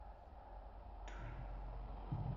退役后曾担任聋人篮球队教练。